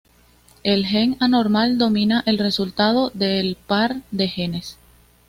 El gen anormal domina el resultado del par de genes.